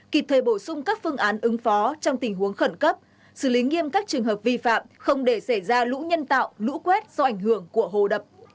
kịp thời bổ sung các phương án ứng phó trong tình huống khẩn cấp xử lý nghiêm các trường hợp vi phạm không để xảy ra lũ nhân tạo lũ quét do ảnh hưởng của hồ đập